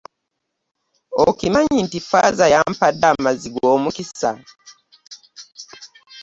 Okimanyi nti ffaaza yampade amazzi gw'omukisa.